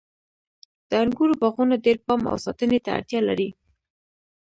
د انګورو باغونه ډیر پام او ساتنې ته اړتیا لري.